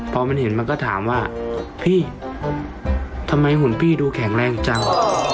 พอมันเห็นมันก็ถามว่าพี่ทำไมหุ่นพี่ดูแข็งแรงจัง